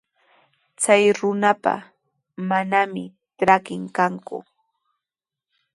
Chay runapa manami trakin kanku.